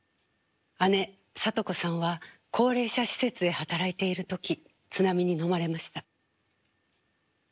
姉聡子さんは高齢者施設で働いている時津波にのまれました。